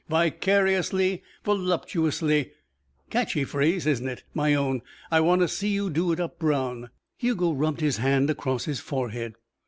Vicariously voluptuous. Catchy phrase, isn't it? My own. I want to see you do it up brown." Hugo rubbed his hand across his forehead.